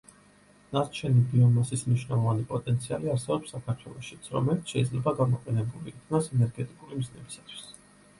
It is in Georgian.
ნარჩენი ბიომასის მნიშვნელოვანი პოტენციალი არსებობს საქართველოშიც, რომელიც შეიძლება გამოყენებული იქნას ენერგეტიკული მიზნებისათვის.